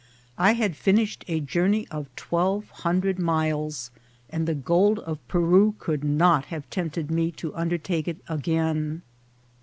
I had finished a journey of twelve hundred miles, and the gold of Peru could not have tempted me to undertake it again.